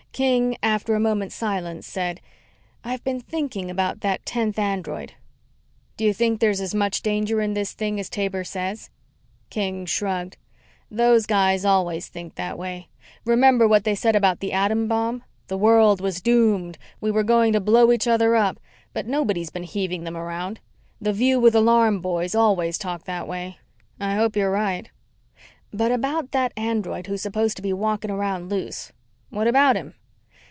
King, after a moment's silence, said, "I've been thinking about that tenth android." "Do you think there's as much danger in this thing as Taber says?" King shrugged. "Those guys always think that way. Remember what they said about the atom bomb? The world was doomed. We were going to blow each other up. But nobody's been heaving them around. The view with alarm boys always talk that way." "I hope you're right." "But about that android that's supposed to be walking around loose." "What about him?"